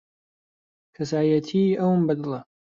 کەسایەتیی ئەوم بەدڵە.